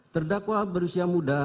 terdakwa berusia muda